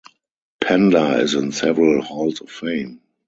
Pender is in several halls of fame.